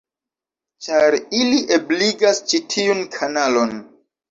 Ĉar ili ebligas ĉi tiun kanalon.